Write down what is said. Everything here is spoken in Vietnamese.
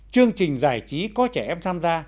chương trình giải trí có trẻ em tham gia